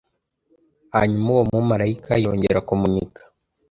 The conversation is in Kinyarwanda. hanyuma uwo mu mumarayika yongera ‘kumuniga’